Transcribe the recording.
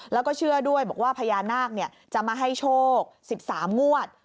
แล้วก็เชื่อด้วยบอกว่าพญานาคจะมาให้โชค๑๓งวด